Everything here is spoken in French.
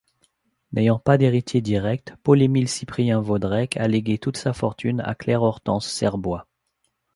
N'ayant pas d'héritiers directs, Paul-Émile-Cyprien Vaudrec a légué toute sa fortune à Claire-Hortense Serbois.